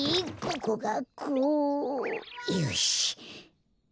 よし！